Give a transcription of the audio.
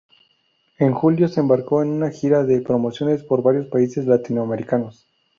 En julio se embarcó en una gira de promociones por varios países latinoamericanos.